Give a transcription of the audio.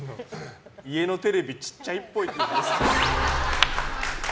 家のテレビちっちゃいっぽい。